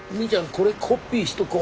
これコピーしとこう。